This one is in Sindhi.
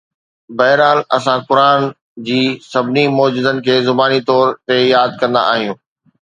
بهرحال، اسان قرآن جي سڀني معجزن کي زباني طور تي ياد ڪندا آهيون